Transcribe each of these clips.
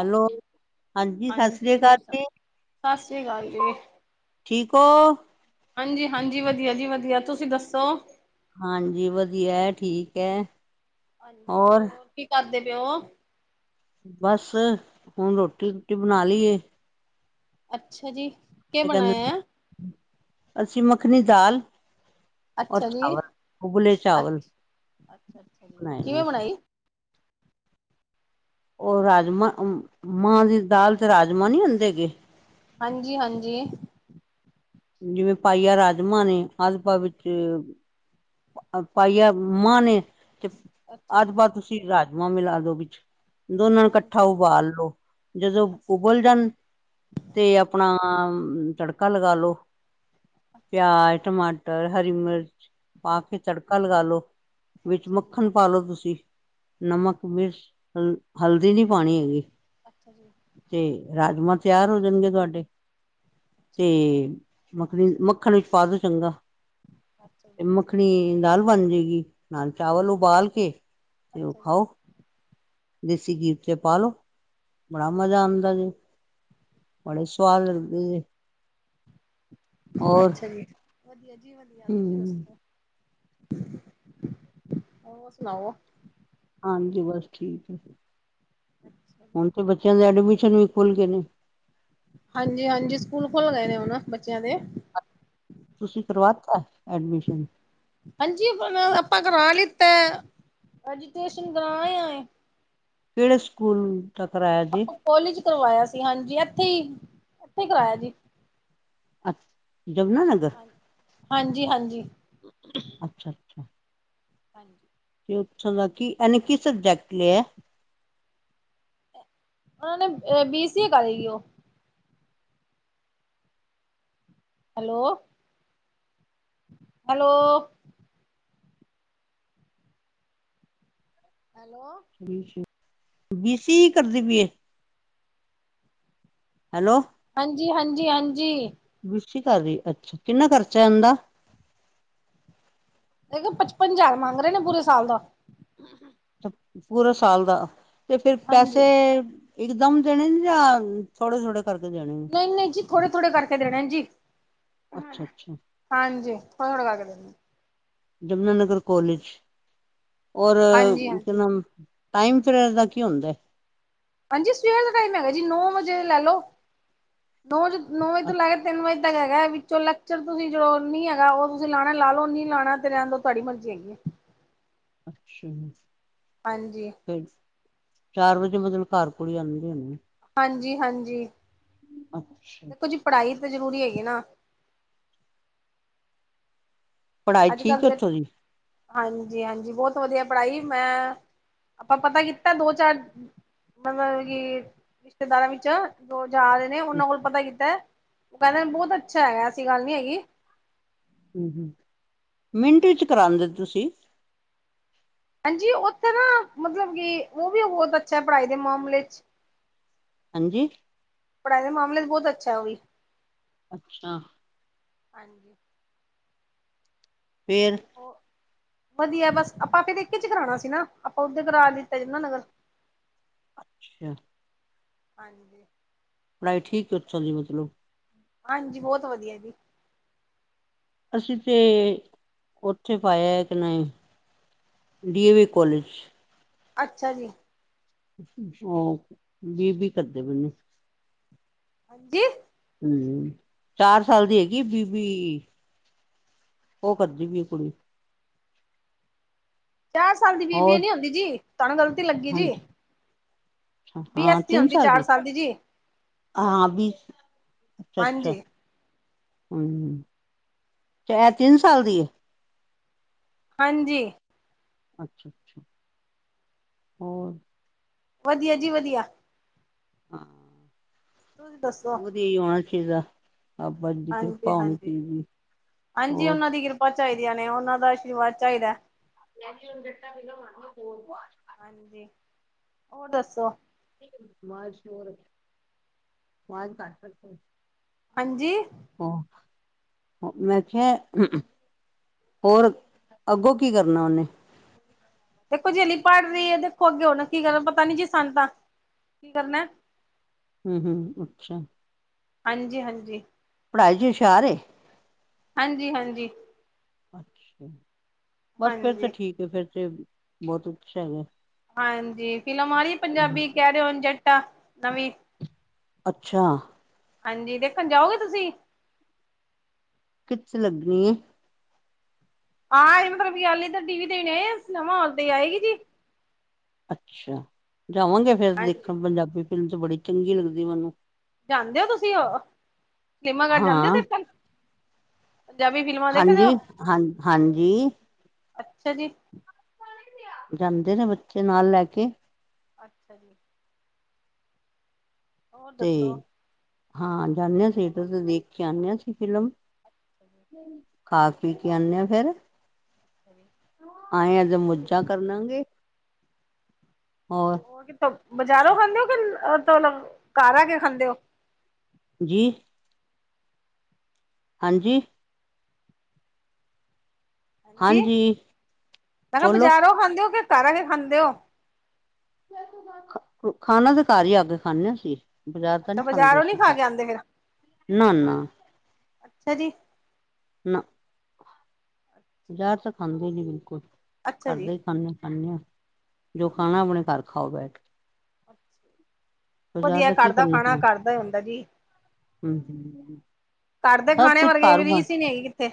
Hello, ਹਾਂਜੀ ਸਤਿ ਸ੍ਰੀ ਅਕਾਲ ਜੀ। ਸ੍ਰੀ ਅਕਾਲ ਜੀ। ਠੀਕ ਹੋ। ਹਾਂਜੀ-ਹਾਂਜੀ ਵਧੀਆ ਜੀ ਵਧੀਆ ਤੁਸੀਂ ਦੱਸੋ? ਹਾਂਜੀ ਵਧੀਆ ਠੀਕ ਐ। ਹਾਂਜੀ ਹੋਰ ਕੀ ਕਰਦੇ ਪਏ ਓ? ਬਸ, ਹੁਣ ਰੋਟੀ-ਰੂਟੀ ਬਣਾ ਲੀਏ। ਅੱਛਾ ਜੀ। ਕੇ ਇਹ ਕਹਿੰਦੇ, ਬਣਾਇਆ? ਅੱਸੀਂ ਮੱਖਣੀ ਦਾਲ। ਔਰ ਅੱਛਾ ਜੀ, ਚਾਵਲ ਉਬਲੇ ਚਾਵਲ ਅੱਛ ਅੱਛਾ-ਅੱਛਾ ਬਣਾਏ ਜੀ। ਕਿਵੇਂ ਨੇ। ਬਣਾਈ? ਉਹ ਰਾਜਮਾਂ ਮਾਂ ਦੀ ਦਾਲ ਤੇ ਰਾਜਮਾਂ ਨਹੀਂ ਹੁੰਦੇ ਹੈਗੇ। ਹਾਂਜੀ, ਹਾਂਜੀ। ਜਿਵੇਂ ਪਾਈਆ ਰਾਜਮਾਂ ਨੇ ਅਧਪਾ ਵਿੱਚ ਪਾਈਆ ਮਾਂ ਨੇ ਤੇ ਅੱਛਾ ਜੀ, ਅੱਧ ਪਾ ਤੁਸੀਂ ਰਾਜਮਾਂ ਮਿਲਾ ਦੋ ਵਿੱਚ। ਦੋਨਾਂ ਨੂੰ ਹਾਂਜੀ, ਇਕੱਠਾ ਉਬਾਲ ਲੋੋ, ਜਦੋਂ ਅੱਛਾ ਜੀ। ਉੱਬਲ ਜਾਣ ਤੇ ਆਪਣਾ ਤੜਕਾ ਲਗਾ ਲੋੋ, ਅੱਛਾ ਜੀ, ਪਿਆਜ, ਟਮਾਟਰ ਮਟਰ, ਹਰੀ ਮਿਰਚ ਪਾ ਕੇ ਤੜਕਾ ਲਗਾ ਲੋ ਵਿੱਚ ਅੱਛਾ ਜੀ, ਮੱਖਣ ਪਾ ਲੋ ਤੁਸੀਂ। ਨਮਕ, ਮਿਰਚ, ਹਲਦੀ ਨੀ ਪਾਉਣੀ ਹੈਗੀ। ਅੱਛਾ ਜੀ ਤੇ ਰਾਜਮਾਂ ਤਿਆਰ ਹੋ ਜਾਣਗੇ ਤੁਹਾਡੇ, ਅੱਛਾ ਤੇ ਜੀ, ਮੱਖਣੀ ਮੱਖਣ ਵਿੱਚ ਪਾ ਦੋ ਚੰਗਾ। ਅੱਛਾ ਤੇ ਜੀ, ਮੱਖਣੀ ਦਾਲ ਬਣ ਜੇਗੀ, ਨਾਲ ਚਾਵਲ ਅੱਛਾ। ਉਬਾਲ ਕੇ ਤੇ ਉਹ ਅੱਛਾ ਜੀ, ਖਾਓ। ਦੇਸੀ ਘੀ ਚ ਪਾਲੋ ਬੜਾ ਮਜ਼ਾ ਆਂਦਾ ਜੇ। ਬੜੇ ਸਵਾਦ ਲਗਦੇ ਜੇ। ਹੋਰ ਅੱਛਾ ਜੀ, ਵਧੀਆ ਜੀ ਵਧੀਆ ਤੁਸੀਂ ਹਮ ਦੱਸੋ [unintelligible] [inaudible] ਹੋਰ ਸੁਣਾਓ। ਹਾਂਜੀ ਬਸ ਠੀਕ ਏ। ਹੁਣ ਤੇ ਬੱਚਿਆਂ ਦੇ ਐਡਮਿਸ਼ਨ ਵੀ ਖੁੱਲ੍ਹ ਗਏ ਨੇ। ਹਾਂਜੀ, ਹਾਂਜੀ ਸਕੂਲ ਖੁੱਲ ਗਏ ਨੇ ਹੁਨ ਬੱਚਿਆਂ ਦੇ। ਤੁਸੀਂ ਕਰਵਾਤਾ ਐਡਮਿਸ਼ਨ। ਹਾਂਜੀ ਆਪਾਂ ਕਰਾ ਲਿੱਤਾ ਐਜੂਕੇਸ਼ਨ ਕਰਾ ਆਏ ਆ। ਕਿਹੜੇ ਸਕੂਲ ਦਾ ਕਰਾਇਆ ਜੇ। ਕੋਲੇਜ ਕਰਵਾਇਆ ਸੀ, ਹਾਂਜੀ ਇੱਥੇ ਹੀ ਇੱਥੇ ਕਰਾਯਾ ਜੀ। ਅੱ ਯਮੁਨਾ ਨਗਰ। ਹਾਂ ਹਾਂਜੀ, ਹਾਂਜੀ। ਅੱਛਾ, ਅੱਛਾਂ। ਹਾਂਜੀ। ਕਿ ਪੁੱਛਨ ਦਾ ਕੀ ਇਹਨੇ ਕੀ ਸਬਜੈਕਟ ਲਿਏ। ਉਹਨਾਂ ਨੇ ਬੀ ਸੀ ਏ ਕਰੀ ਉਹ। Hello. Hello. Hello. B C B C E ਕਰਦੀ ਪਈਏ। ਹੈਲੋ। ਹਾਂਜੀ, ਹਾਂਜੀ, ਹਾਂਜੀ। ਬੀ ਸੀ ਈ ਕਰ ਰਹੀ ਏ ਅੱਛਾ ਕਿੰਨਾ ਖਰਚਾ ਹੈ ਇੰਹਦਾ। ਦੇ ਪਚਪਨ ਹਜ਼ਾਰ ਮੰਗ ਰਹੇ ਨੇ ਪੂਰੇ ਸਾਲ ਦਾ। ਪੂਰਾ ਸਾਲ ਦਾ ਤੇ ਫਿਰ ਪੈਸੇ ਹਾਂਜੀ ਇਕਦਮ ਦੇਣੇਨ ਜਾਂ ਥੋੜੇ, ਥੋੜੇ ਕਰਕੇ ਦੇਣੇਨ। ਨਹੀਂ, ਨਹੀਂ ਜੀ ਥੋੜੇ ਥੋੜੇਕੇ ਦੇਣੇਨ ਜੀ। ਅੱਛਾ ਅੱਛਾ ਹਾਂਜੀ ਥੋੜੇ, ਥੋੜੇ ਕਰ ਕੇ ਦੇਣੇ। ਜਮੁਨਾਾਨਗਰ ਕੋਲੇਜ ਔਰ ਹਾਂਜੀ ਕੇ ਹਾਂਜੀ ਨਾਮ ਟਾਈਮ ਪੀਰੀਅਡ ਦਾ ਕੀ ਹੁੰਦੈ। ਹਾਂਜੀ ਸਵੇਰ ਦਾ ਟਾਈਮ ਹੈਗਾ ਜੀ ਨੌ ਵਜੇ ਲੈ ਲੋ ਨੌ ਵਜੇ ਨੌ ਵਜੇ ਤੋਂ ਲੈਕੇ ਤਿੰਨ ਵਜੇ ਤਕ ਹੈਗਾ ਵਿੱਚੋ ਚਲ ਤੁਸੀਂ ਜੋ ਨੀ ਹੈਗਾ ਉਹ ਤੁਸੀਂ ਲਾਣੈ ਲਾ ਲਓ ਨੀ ਲਾਣਾ ਤੇ ਰਹਿਣ ਦੋ ਤੁਹਾਡੀ ਮਰਜ਼ੀ ਹੈਗੀ ਏ। ਅੱਛਾ ਜੀ ਹਾਂਜੀ ਫ ਚਾਰ ਵਜੇ ਮਤਲਬ ਘਰ ਕੁੜੀ ਆਨਦੀ ਹੋਣੀ ਏਂ ਹਾਂਜੀ ਹਾਂਜੀ ਅੱਛਾ, ਦੇਖੋ ਜੀ ਪੜ੍ਹਾਈ ਤਾਂ ਜ਼ਰੂਰੀ ਹੈਗੀ ਨਾ ਪੜ੍ਹਾਈ ਅੱਜ ਠੀਕ ਕੱਲ੍ਹ ਹੈ ਦੇ ਉੱਥੋਂ ਦੀ? ਹਾਂਜੀ ਹਾਂਜੀ ਬਹੁਤ ਵਧੀਆ ਪੜ੍ਹਾਈ ਮੈਂ ਆਪਾਂ ਪਤਾ ਕੀਤਾ ਦੋ ਚਾਰ ਮਲਬ ਕਿ ਰਿਸ਼ਤੇਦਾਰਾਂ ਵਿੱਚ ਜੋ ਜਾ ਰੇ ਨੇ ਉਹਨਾਂ ਕੋਲ ਪਤਾ ਕੀਤਾ ਉਹ ਕਹਿੰਦੇ ਬਹੁਤ ਅੱਛਾ ਹੈਗਾ ਐਸੀ ਗੱਲ ਨੀ ਹੈਗੀ ਹਮ-ਹਮ ਮਿੰਟ ਵਿੱਚ ਕਰਉਂਦੇ ਤੁਸੀਂ ਹਾਂਜੀ ਉੱਥੇ ਨਾ ਮਤਲਬ ਕਿ ਉਹ ਵੀ ਬਹੁਤ ਅੱਛਾ ਪੜ੍ਹਾਈ ਦੇ ਮਾਮਲੇ ਚ ਹਾਂਜੀ ਪੜ੍ਹਾਈ ਦੇ ਮਾਮਲੇ ਚ ਬਹੁਤ ਅੱਛਾ ੳਹ ਵੀ। ਅੱਛਾ। ਹਾਂਜੀ [unintelligible] ਫਿਰ। [unintelligible] ਵਧੀਆ ਬਸ ਆਪਾਂ ਫਿਰ [unintelligible] ਇੱਕ ਚ ਕਰਾਉਣਾ ਸੀ ਨਾ ਆਪਾਂ ਉਦੇ ਕਰਾ ਲਿੱਤਾ ਜਾਂਦਾ [unintelligible] ਨਗਰ ਅੱਛਾ [unintelligible] ਹਾਂਜੀ ਪੜ੍ਹਾਈ ਠੀਕ ਉੱਥੋਂ ਦੀ ਮਤਲਬ ਹਾਂਜੀ ਬਹੁਤ ਵਧੀਆ ਜੀ ਅਸੀਂ ਤੇ ਉੱਥੇ ਪਾਇਆ ਕਿ ਨਹੀਂ ਡੀਏਵੀ ਕੋਲਜ ਅੱਛਾ ਜੀ ਉਹ ਵੀ ਵੀ ਕਰਦੇ ਬਨੇ [unintelligible] ਜੀ ਹਮ ਚਾਰ ਸਾਲ ਦੀ ਹੈਗੀ ਬੀਬੀ ਉਹ ਕਰਦੀ ਪੀਏ ਕੁੜੀ ਚਾਰ ਸਾਲ ਦੀ ਹੋਰ ਬੀਬੀਏ ਨੀ ਹੁੰਦੀ ਜੀ ਤੁਹਾਨੂੰ ਗਲਤੀ ਲੱਗੀ ਜੀ ਹਾਂਜੀ ਬੀ ਐਸ ਹਾਂ ਸੀ ਤਿੰਨ ਹੁੰਦੀ ਸਾਲ ਚਾਰ ਦੀ ਜੀ ਹਾਂ ਬੀ ਅੱਛਾ ਅੱਛਾ ਹਾਂਜੀ ਹ [unintelligible] ਤਿੰਨ ਸਾਲ ਦੀ ਹੈ ਹਾਂਜੀ ਅੱਛਾ-ਅੱਛਾ ਹੋਰ ਵਧੀਆ ਜੀ ਵਧੀਆ ਤੁਸੀਂ ਦੱਸੋ ਵਧੀਆ ਹੀ ਹੋਣਾ ਚਾਹੀਦਾ ਬਾਬਾ ਜੀ ਦੀ ਹਾਂਜੀ ਕਿਰਪਾ ਹੋਣੀ ਹਾਂਜੀ। ਚਾਹੀਦੀ ਏ ਹੋਰ ਾਂ [unintelligible] ਚਾਹੀਦੀਆਂ ਨੇ ਉਹਨਾਂ ਦਾ ਆਸ਼ੀਰਵਾਦ ਚਾਹੀਦਾ ਐ ਯਕੀ ਉਹਨ ਬਟ ਵੀਨ ਮਨਾ ਹੋੋਵਾ [unintelligible] ਹਾਂਜੀ ਹੋਰ ਦੱਸੋ ਜ਼ ਸ਼ਰ [unintelligible] ਵਾਜ ਘੱਟ ਰੱਖ ਹਾਂਜੀ ਉਹ ਮੈਂ ਕਿਹਾ ਹੋਰ ਅੱਗੋਂ ਕੀ ਕਰਨਾ ਉਹਨੇ ਦੇਖੋ ਜੇਲੀ ਪੜ੍ਹ ਰਹੀ ਹੈ ਦੇਖੋ ਅੱਗੇ ਹਣਾ ਕੀ ਕਰਨਾ ਪਤਾ ਨੀ ਜੀ ਸਾਨ ਤਾਂ ਕੀ ਕਰਨਾ ਐ ਹਮ ਹਮ ਅੱਛਾ ਹਾਂਜੀ-ਹਾਂਜੀ ਪੜ੍ਹਾਈ ਜੀ ਹੁਸ਼ਿਆਰ ਏ? ਹਾਂਜੀ ਹਾਂਜੀ ਅੱਛਾ ਬਸ ਫਿਰ ਤਾਂ ਹਾਂਜੀ ਠੀਕ ਹੈ ਫੇਿਰ ਤੇ ਬਹੁਤ ਉਛਾ ਹੈਗਾ। ਹਾਂਜੀ ਫਿਲਮ ਆਹੀ ਪੰਜਾਬੀ ਕਹਿ ਰਹੇ ਹੋਣ ਜੱਟਾ ਨਵੀਂ। ਅੱਛਾ ਹਾਂਜੀ, ਦੇਖਣ ਜਾਓਗੇ ਤੁਸੀਂ? ਕਿੱਥ ਲੱਗਣੀ ਏ? ਆ, ਇਹ ਮਤਲਬ ਗੱਲ ਇੱਰ ਟੀ ਵੀ ਤੇ ਆ ਸਨਮਾ ਹਾਲ ਤੇ ਆਏਗੀ ਜੀ। ਅੱਛਾ। ਜਾਵਾਂਗੇ ਫੇਰ ਹਾਂਜੀ ਦੇਖਣ ਪੰਜਾਬੀ ਫਿਲਮ ਤੇ ਬੜੀ ਚੰਗੀ ਲੱਗਦੀ ਮੈਨੂੰ। ਜਾਂਦੇ ਹੋ ਤੁਸੀਂ ਸਿਨੇਮਾਘਰ ਜਾਂਦੇ ਹੋ ਹਾਂ ਦੇਖਣ। ਪੰਜਾਬੀ ਫਿਲਮਾਂ ਦੇਖਦੇ ਹਾਂਜੀ ਹੋ ਹਾਂ ਹਾਂਜੀ ਅੱਛਾ ਜੀ ਜਾਂਦੇ ਨੇ ਬੱਚੇ ਨਾਲ ਲੈ ਕੇ ਅੱਛਾ ਜੀ, [unintelligible] ਹੋਰ ਤੇ ਦੱਸੋ ਹਾਂ ਜਾਨੇ ਆ ਥੀਏਟਰ ਚ ਦੇਖ ਕੇ ਆਨੇ ਹਾਂ ਅਸੀਂ ਫਿਲਮ ਖਾ ਪੀਕੇ ਆਨੇ ਆ ਫੇਰ ਹਜੀ [inaudible] ਆਏਂ ਅੱਜ ਮੁੱਝਾਂ ਕਰ ਲਾਂਗੇ ਹੋਰ ਕਿਥੋਂ ਬਜ਼ਾਰੋਂ ਖਾਂਦੇ ਹੋ ਕਿਲ [unintelligible] ਘਰ ਆ ਕੇ ਖਾਂਦੇ ਹੋ ਜੀ ਹਾਂਜੀ। ਹਾਂਜੀ, ਮੈਂ ਕਿਹਾ ਬੋਲੋ ਬਜ਼ਾਰੋਂ ਖਾਂਦੇ ਹੋ ਕਿ ਘਰੋ ਕੇ ਖਾਂਦੇ ਹੋ? ਖਾਣਾ ਤੇ ਘਰ ਹੀ ਆ ਕੇ ਖਾਂਦੇ ਹਾਂ। ਬਜ਼ਾਰ ਤਾਂ ਅੱਛਾ ਨਹੀਂ ਬਜ਼ਾਰੋਂ ਨੀ ਖਾ ਖਾਂਦੇ। ਕੇ ਆਂਦੇ ਫਿਰ ਨਾ- ਨਾ। ਅੱਛਾ ਜੀ। ਨਾ। ਬਜ਼ਾਰ ਤਾਂ ਖਾਂਦੇ ਨੀ ਬਿਲਕੁਲ, ਅੱਛਾ ਜੀ। ਘਰਦੇ ਹੀ ਖਾਂਦੇ- ਖਾਂਦੇ। ਜੋ ਖਾਣਾ ਆਪਣੇ ਘਰ ਖਾਓ ਬੈਠ। ਬਾਜ਼ਾਰ ਵਧੀਆ ਘਰ ਕੀ ਦਾ ਖਾਣਾ ਘਰਦਾ ਹੀ ਹੁੰਦਾ ਜੀ। ਹੂੰ- ਹੂੰ, ਘਰਦੇ ਖਾਣੇ ਵਰਗੇ ਵੀ ਰੀ ਸੀ ਨੀ ਹੈਗੀ ਕਿੱਥੇ।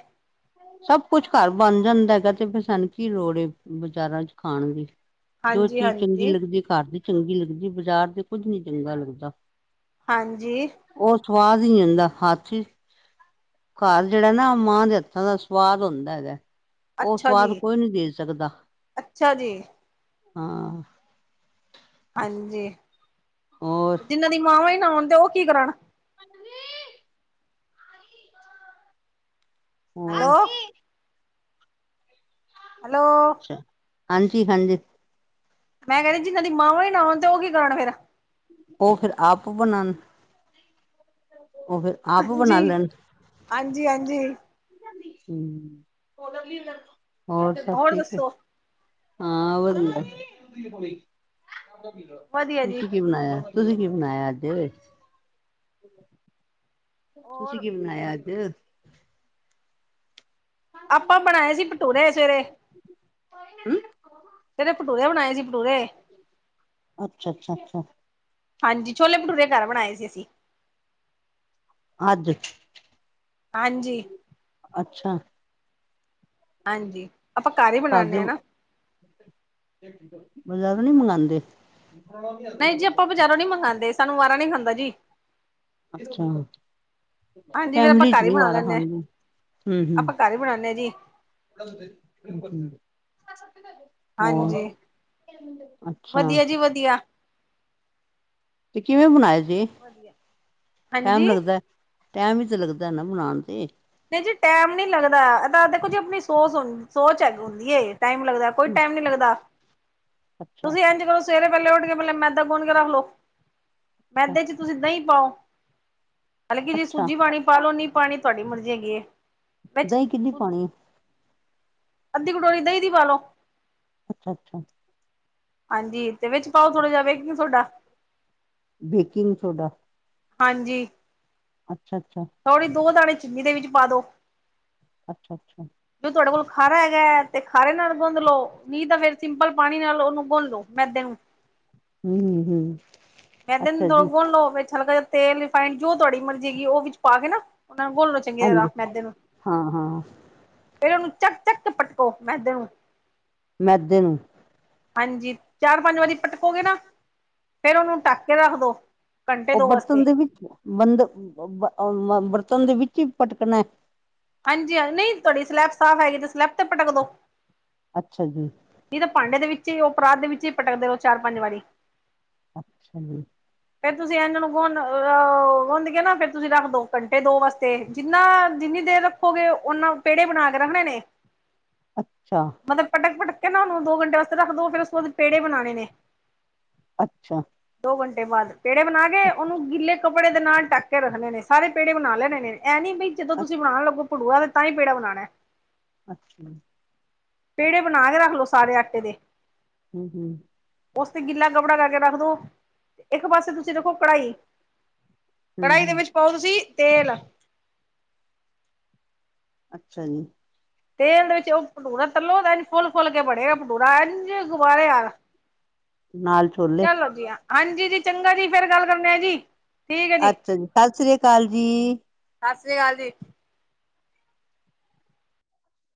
ਸਭ ਕੁੱਛ ਘਰ ਬਣ ਜਾਂਦਾ ਹੈਗਾ। ਤੇ ਫਿਰ ਸਾਨੂੰ ਕੀ ਲੋੜ ਬਜ਼ਾਰਾਂ ਚ' ਖਾਣ ਦੀ। ਜੋ ਹਾਂਜੀ, ਚੀਜ਼ ਚੰਗੀ ਹਾਂਜੀ, ਲੱਗਦੀ ਘਰ ਦੀ ਚੰਗੀ ਲੱਗਦੀ ਬਾਜ਼ਾਰ ਦੇ ਕੁੱਝ ਨਹੀਂ ਚੰਗਾ ਲੱਗਦਾ। ਹਾਂਜੀ। ਉਹ ਸਵਾਦ ਹੀ ਹੁੰਦਾ ਹੱਥ ਦੀ ਘਰ ਜਿਹੜਾ ਨਾ ਮਾਂ ਦੇ ਹੱਥਾਂ ਦਾ ਸਵਾਦ ਹੁੰਦਾ ਹੈਗਾ। ਉਹ ਅੱਛਾ ਸਵਾਦ ਜੀ, ਕੋਈ ਨੀ ਦੇ ਸਕਦਾ ਅੱਛਾ ਜੀ, ਹਾਂ। ਹਾਂਜੀ, ਹੋਰ ਜਿੰਹਨਾਂ ਦੀ ਮਾਵਾ ਹੀ ਨਾ ਆਉਣ ਤੇ ਉਹ ਕੀ ਕਰਨ। ਹਾਂਜੀ। ਹਾਂ। ਹੈਲੋ, ਹੈਲੋ, ਹਾਂਜੀ- ਹਾਂਜੀ। ਮੈਂ ਕਹਿੰਦੀ ਜਿਹਨ੍ਹਾਂ ਦੀ ਮਾਵਾਂ ਹੀ ਨਾ ਆਉਣ ਤੇ ਉਹ ਕੀ ਕਰਨ ਫਿਰ। ਉਹ ਫੇਰ ਆਪ ਬਣਾਣ। ਉਹ ਫਿਰ ਆਪ ਬਣਾ ਹਾਂਜੀ। ਲੈਣ ਹਾਂਜੀ -ਹਾਂਜੀ, ਹੂੰ, ਹੋਰ ਸਭ ਠੀਕ ਹੈ। ਹਾਂ ਉਹ ਦਿੰਦਾ। ਵਧੀਆ ਜੀ। ਤੁਸੀ ਕੀ ਬਣਾਇਆ? ਤੁਸੀਂ ਕੀ ਬਣਾਇਆ ਅੱਜ? ਤੁਸ ਹੋਰ ਕੀ ਬਣਾਇਆ ਅੱਜ? ਆਪਾਂ ਬਣਾਏ ਸੀ ਪਟੂਰੇ ਸਵੇਰੇ। ਹਮ। ਸਵੇਰੇ ਪਟੂਰੇ ਬਣਾਏ ਸੀ ਪਟੂਰੇ। ਅੱਛਾ- ਅੱਛਾ -ਅੱਛਾ। ਹਾਂਜੀ। ਛੋਲੇ- ਭਟੂਰੇ ਘਰ ਬਣਾਏ ਸੀ ਅਸੀਂ। ਹਜ। ਹਾਂਜੀ। ਅੱਛਾ। ਹਾਂਜੀ ਆਪਾਂ ਘਰ ਹੀ ਬਣਾਣੇ ਹਾਂ ਨਾ ਬਜ਼ਾਰੋਂ ਨਹੀਂ ਮੰਗਵਾਦੇ [unintelligible] ਨਹੀਂ ਜੀ, ਆਪਾਂ ਬਾਰੋਂ ਨੀ ਮੰਗਉਦੇ। ਸਾਨੂੰ ਮਾਰਾ ਨੀ ਖਾਂਦਾ ਜੀ। ਅੱਛਾ। ਹਾਂਜੀ ਫੇਰ ਆਪਾਂ ਫੈਮਲੀ ਚ' ਘਰ ਹੀ ਨਹੀਂ ਬਣਾ ਵਾਰਾ ਲੈਂਦੇ ਹਾਂ ਖਾਂਦਾ। ਹ ਹਮ ਆਪਾਂ ਘਰ ਹੀ ਬਣਾਉਦੇ ਹਾਂ ਜੀ -ਹਮ [inaudible] ਹੋ, ਹਾਂਜੀ ਅੱਛਾ। ਵਧੀਆ ਜੀ ਵਧੀਆ। ਤੇ ਕਿਵੇਂ ਬਣਾਏ ਸੀ। ਵਧੀਆ ਟਾਈਮ ਹਾਂਜੀ ਲੱਗਦਾ। ਟਾਈਮ ਹੀ ਤੇ ਲੱਗਦਾ ਨਾ ਬਣਾਉਣ ਤੇ। ਨਹੀਂ ਜੀ ਟੈਮ ਨੀ ਲੱਗਦਾ। ਇਹਦ ਦੇਖੋ ਜੀ ਆਪਣੀ ਸੋਚ ਹ ਸੋਚ ਹੈਗੀ ਹੁੰਦੀ। ਟਾਈਮ ਲੱਗਦਾ ਕੋਈ ਟਾਈਮ ਨੀ ਲੱਗਦਾ ਅੱਛਾ ਤੁਸੀਂ ਇੰਝ ਕਰੋ ਸਵੇਰੇ ਪਹਿਲੇ ਉੱਠ ਕੇ ਪਹਿਲੇ ਮੈਦਾ ਗੁਣ ਕੇ ਰੱਖ ਲਓ ਅੱਛਾ ਮੈਦੇ ਚ ਤੁਸੀਂ ਦਹੀਂ ਪਾਓ। ਹਲਕੀ ਜੀ ਅੱਛਾ ਸੂਜੀ ਪਾਣੀ ਪਾ ਲੋ ਨੀ ਪਾਣੀ ਤੁਹਾਡੀ ਮਰਜ਼ੀ ਹੈਗੀ ਏ ਦਹੀਂ ਕਿੰਨੀ ਪਾਣੀ ਨੇ? ਅੱਧੀ ਕਟੋਰੀ ਦਹੀਂ ਦੀ ਪਾਲੋ। ਅੱਛਾ-ਅੱਛਾ। ਹਾਂਜੀ ਤੇ ਵਿੱਚ ਪਾਓ ਥੋੜ੍ਹਾ ਜਿਹਾ ਬੇਕਿੰਗ ਸੋਡਾ ਬੇਕਿੰਗ ਸੋਡਾ। ਹਾਂਜੀ। ਅੱਛਾ-ਅੱਛਾ। ਥੋੜੀ ਦੋ ਦਾਣੇ ਚੀਨੀ ਦੇ ਵਿੱਚ ਪਾ ਦੋ ਅੱਛਾ-ਅੱਛਾ। ਜੋ ਤੁਹਾਡੇ ਕੋਲ ਖਾਰਾ ਹੈਗਾ ਹੈ ਤੇ ਖਾਰੇ ਨਾਲ ਗੁੰਦ ਲ ਲੋ ਨੀ ਤਾਂ ਫਿਰ ਸਿੰਪਲ ਪਾਣੀ ਨਾਲ ਉਹਨੂੰ ਗੁੰਨ ਲੋ ਮੈਦੇ ਨੂੰ ਹੂੰ-ਹੂੰ ਮੈਂਦੇ ਨੂੰ ਗੁਣ‌ ਲੋ‌ ਵਿੱਚ ਹਲਕਾ ਜਿਹਾ ਤੇਲ ਰਿਫਾਈੰਡ ਜੋ ਤੁਹਾਡੀ ਮਰਜ਼ੀ ਹੈਗੀ ਉਹ ਵਿੱਚ ਪਾ ਕੇ ਨਾ ਉਹਨਾ ਨੂੰ ਗੁਣ ਲੋ। ਚੰਗੀ ਤਰ੍ਹਾਂ ਹਾਂਜੀ ਮੈਦੇ ਨੂੰ ਹਾਂ ਹਾਂ ਫਿਰ ਉਹਨੂੰ ਚੱਕ-ਚੱਕ ਕੇ ਪਟਕੋ ਮੈਦੇ ਨੂੰ ਮੈਦੇ ਨੂੰ ਹਾਂਜੀ ਚਾਰ-ਪੰਜ ਵਾਰੀ ਪਟਕੋਗੇ ਨਾ ਫੇਿਰ ਉਹਨੂੰ ਟੱਕ ਕੇ ਰੱਖ ਦੋ। ਘੰਟੇ ਉਹ ਦੋ ਬਰਤਨ ਵਾਸਤੇ ਦੇ ਵਿੱਚ ਬੰਦ ਬਰਤਨ ਦੇ ਵਿੱਚ ਹੀ ਪਟਕਣਾ ਹਾਂਜੀ ਹ ਨਹੀਂ ਤੁਹਾਡੀ ਸਲੈਬ ਸਾਫ਼ ਹੈਗੀ ਤੇ ਸਲੈਬ ਤੇ ਪਟਕ ਦੋ ਅੱਛਾ ਜੀ। ਨਹੀਂ ਤਾਂ ਭਾਂਡੇ ਦੇ ਵਿੱਚ ਹੀ ਉਹ ਪਰਾਤ ਦੇ ਵਿੱਚ ਹੀ ਪਟਕਦੇ ਰਹੋ ਚਾਰ-ਪੰਜ ਵਾਰੀ। ਅੱਛਾ ਜੀ। ਫੇਰ ਤੁਸੀਂ ਇਹਨਾਂ ਨੂੰ ਗੁਨਦ ਅਹ ਗੁਨਦ ਕੇ ਨਾ ਫੇਰ ਤੁਸੀਂ ਰੱਖ ਦੋ ਘੰਟੇ ਦੋ ਵਾਸਤੇ ਜਿੰਨਾ ਜਿੰਨੀ ਦੇਰ ਰੱਖ ਕੇ ਉਹਨਾਂ ਪੇੜੇ ਬਣਾ ਕੇ ਰੱਖਣੇ ਨੇ ਅੱਛਾ। ਮਤਲਬ ਪਟਕ-ਪਟਕ ਕੇ ਨਾ ਉਹਨੂੰ ਦੋ ਘੰਟੇ ਵਾਸਤੇ ਰੱਖ ਦੋ ਫੇਰ ਉਹਦੇ ਪੇੜੇ ਬਣਾਣੇ ਨੇ ਅੱਛਾ। ਦੋ ਘੰਟੇ ਬਾਅਦ ਪੇੜੇ ਬਣਾ ਕੇ ਅੱਛਾ ਉਹਨੂੰ ਗਿੱਲੇ ਕੱਪੜੇ ਦੇ ਨਾਲ ਟੱਕ ਕੇ ਰੱਖਣੇ ਨੇ ਸਾਰੇ ਪੇੜੇ ਬਣਾ ਲੈਣੇ ਨੇ ਇਹ ਨੀ ਵੀ ਜਦੋਂ ਤੁਸੀਂ ਬਣਾਣ ਲੱਗੋ। ਭਠੂਰਾ ਤੇ ਤਾਂ ਹੀ ਪੇੜਾ ਬਣਾਣਾ ਅੱਛਾ ਪੇੜੇ ਬਣਾ ਕੇ ਰੱਖ ਲਓ ਸਾਰੇ ਆਟੇ ਦੇ। ਹੂੰ-ਹੂੰ। ਉਸ ਤੇ ਗਿੱਲਾ ਕੱਪੜਾ ਕਰਕੇ ਰੱਖ ਦੋ ਇੱਕ ਪਾਸੇ ਤੁਸੀਂ ਰਖੋ ਕੜਾਹੀ ਹੂੰ ਕੜਾਹੀ ਦੇ ਹੂੰ ਵਿੱਚ ਪਾਓ ਤੁਸੀਂ ਤੇਲ ਅੱਛਾ ਜੀ। ਤੇਲ ਦੇ ਵਿੱਚ ਉਹ ਭਠੂਰਾ ਤਲੋ ਦਾ ਫੁੱਲ-ਫੁੱਲ ਕੇ ਬਣੇਗਾ ਭਠੂਰਾ ਐੰਝ। ਗੁਬਾਰੇ ਆਂਦਾ ਨਾਲ ਛੋਲੇ ਚੱਲੋ ਗਿਆ। ਹਾਂਜੀ ਜੀ ਚੰਗਾ ਜੀ ਫੇਿਰ ਗੱਲ ਕਰਨੇ ਆ ਜੀ ਠੀਕ ਹੈ ਅੱਛਾ ਜੀ ਸਤਿ ਸ੍ਰੀ ਅਕਾਲ ਜੀ। ਸਸਿ ਸ਼੍ਰੀ ਕਾਲ ਜੀ।